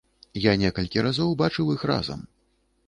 Я некалькі разоў бачыў іх разам.